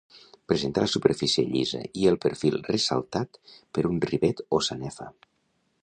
Presenta la superfície llisa i el perfil ressaltat per un rivet o sanefa.